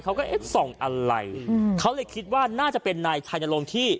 เขาก็เอ๊ะส่องอะไรเขาเลยคิดว่าน่าจะเป็นนายไทยนรงค์ที่